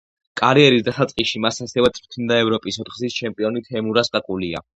კარიერის დასაწყისში, მას ასევე წვრთნიდა ევროპის ოთხგზის ჩემპიონი თეიმურაზ კაკულია.